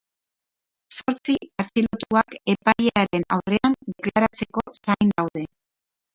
Zortzi atxilotuak epailearen aurrean deklaratzeko zain daude.